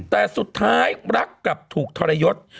แต่สุดท้ายรักกลับถูกทรยศ